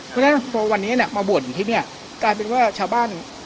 เพราะฉะนั้นพอวันนี้เนี่ยมาบวชหลวงพี่เนี่ยกลายเป็นว่าชาวบ้าน